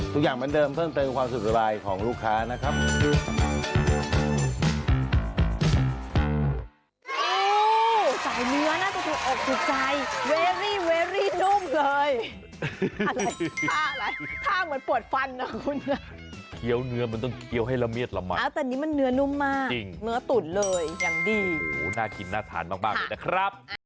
มา๑๐เมตรทุกอย่างเหมือนเดิมเพิ่มเติมความสุขสบายของลูกค้านะครับ